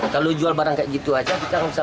kalau jual barang seperti itu saja kita tidak bisa